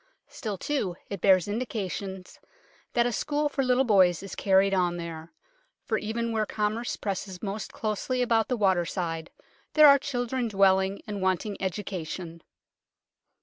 Still, too, it bears indications that a school for little boys is carried on there, for even where commerce presses most closely about the waterside there are children dwelling and wanting education.